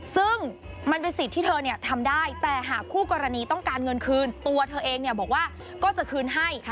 ซึ่งมันเป็นสิทธิ์ที่เธอทำได้แต่หากคู่กรณีต้องการเงินคืนตัวเธอเองบอกว่าก็จะคืนให้